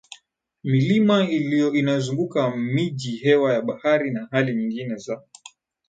Milima inayozunguka miji hewa ya bahari na hali nyingine za